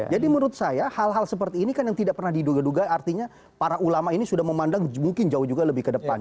jadi menurut saya hal hal seperti ini kan yang tidak pernah diduga duga artinya para ulama ini sudah memandang mungkin jauh juga lebih ke depan